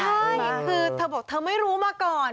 ใช่คือเธอบอกเธอไม่รู้มาก่อน